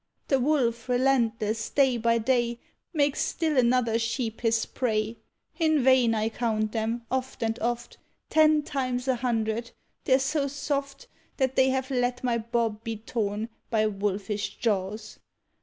The wolf, relentless, day by day, Makes still another sheep his prey. In vain I count them, oft and oft Ten times a hundred; they're so soft, That they have let my Bob be torn By wolfish jaws.